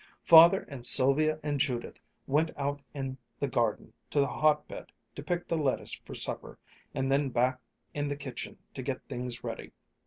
Father and Sylvia and Judith went out in the garden to the hotbed to pick the lettuce for supper and then back in the kitchen to get things ready.